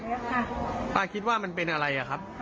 ป้าคิดว่ามันเป็นอะไรอะครับ